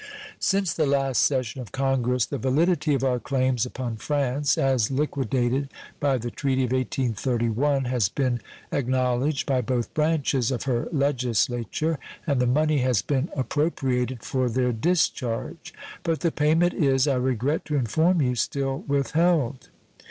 Since the last session of Congress the validity of our claims upon France, as liquidated by the treaty of 1831, has been acknowledged by both branches of her legislature, and the money has been appropriated for their discharge; but the payment is, I regret to inform you, still withheld.